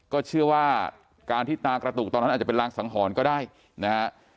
ก็เชื่อว่าการที่ตากระตุกตอนนั้นอาจจะเป็นรางสังหรณ์ก็ได้นะฮะ